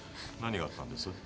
何があったんです？